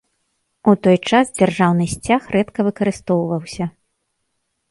У той час дзяржаўны сцяг рэдка выкарыстоўваўся.